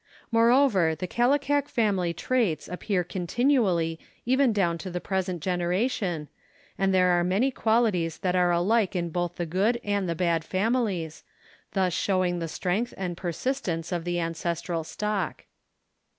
Moreover, the Kallikak family traits appear continually even down to the present generation, and there are many qualities that are alike in both the good and the bad families, thus showing the strength and persistence of the an cestral stock.